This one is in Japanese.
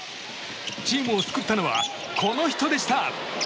チームを救ったのはこの人でした。